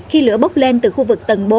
khi lửa bốc lên từ khu vực tầng bốn